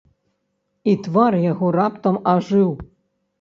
І твар яго раптам ажыў.